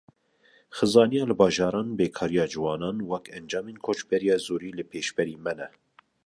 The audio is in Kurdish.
Xizaniya li bajaran, bêkariya ciwanan, wek encamên koçberiya zorî li pêşberî me ne